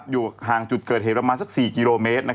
อยู่ห่างจุดเกิดเหตุประมาณสัก๔กิโลเมตร